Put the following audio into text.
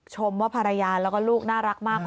ชมว่าภรรยาแล้วก็ลูกน่ารักมาก